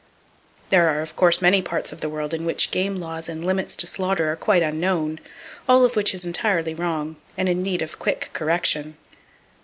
There are of course many parts of the world in which game laws and limits to slaughter are quite unknown: all of which is entirely wrong, and in need of quick correction.